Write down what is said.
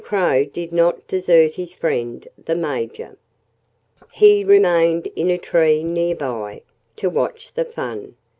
Crow did not desert his friend the Major. He remained in a tree near by, to watch the fun.